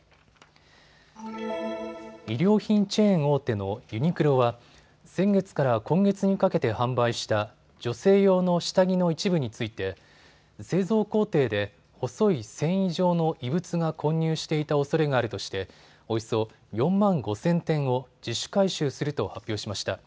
衣料品チェーン大手のユニクロは先月から今月にかけて販売した女性用の下着の一部について製造工程で細い繊維状の異物が混入していたおそれがあるとしておよそ４万５０００点を自主回収すると発表しました。